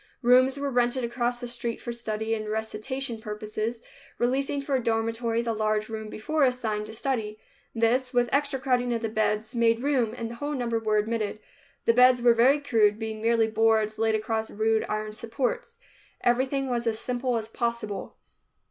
Rooms were rented across the street for study and recitation purposes, releasing for a dormitory the large room before assigned to study. This, with extra crowding of the beds, made room, and the whole number were admitted. The beds were very crude, being merely boards laid across rude iron supports. Everything was as simple as possible.